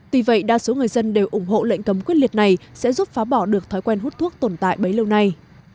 tuy vậy đa số người dân đều ủng hộ lệnh cấm quyết liệt này sẽ giúp phá bỏ được thói quen hút thuốc tồn tại bấy lâu nay